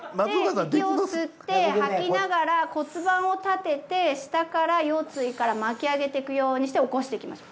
骨盤を立てて下から腰椎から巻き上げていくようにして起こしていきましょう。